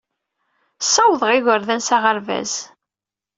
Ssawḍeɣ igerdan s aɣerbaz.